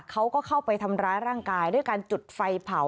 เขาก็เข้าไปทำร้ายร่างกายด้วยการจุดไฟเผา